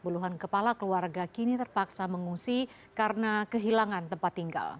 puluhan kepala keluarga kini terpaksa mengungsi karena kehilangan tempat tinggal